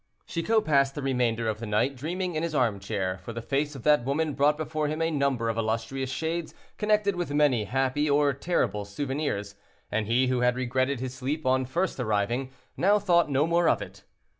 Chicot passed the remainder of the night dreaming in his armchair, for the face of that woman brought before him a number of illustrious shades connected with many happy or terrible souvenirs, and he who had regretted his sleep on first arriving, now thought no more of it.